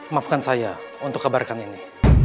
maafkan saya untuk kabarkan ini